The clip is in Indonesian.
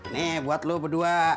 nih buat lo berdua